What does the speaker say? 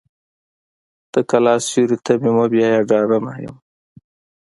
د کلا سیوري ته مې مه بیایه ډارنه یم.